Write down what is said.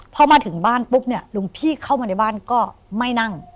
พอมาถึงบ้านปุ๊บเนี่ยหลวงพี่เข้ามาในบ้านก็ไม่นั่ง